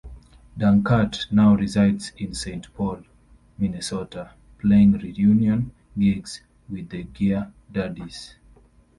Dankert now resides in Saint Paul, Minnesota, playing reunion gigs with the Gear Daddies.